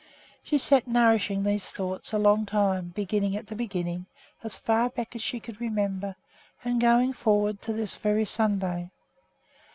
She sat nourishing these thoughts a long time, beginning at the beginning, as far back as she could remember, and going forward to this very Sunday.